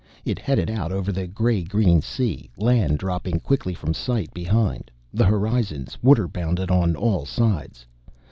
It headed out over the gray green sea, land dropping quickly from sight behind, the horizons water bounded on all sides.